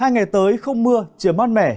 hai ngày tới không mưa trời mát mẻ